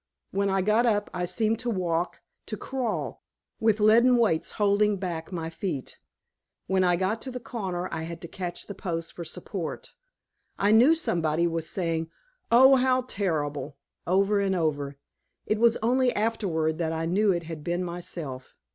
When I got up I seemed to walk, to crawl, with leaden weights holding back my feet. When I got to the corner I had to catch the post for support. I knew somebody was saying, "Oh, how terrible!" over and over. It was only afterward that I knew it had been myself.